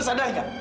lo sadar gak